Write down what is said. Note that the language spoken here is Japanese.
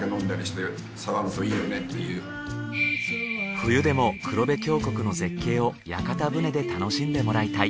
冬でも黒部峡谷の絶景を屋形船で楽しんでもらいたい。